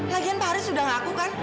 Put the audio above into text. lagian pak haris sudah ngaku kan